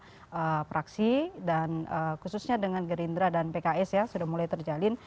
dan kemudian juga dengan beberapa fraksi dan khususnya dengan gerindra dan pks ya sudah mulai terjalin